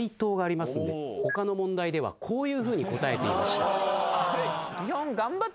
他の問題ではこういうふうに答えていました。